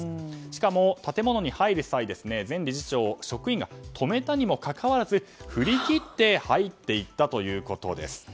しかも建物に入る際、前理事長を職員が止めたにもかかわらず振り切って入っていったということです。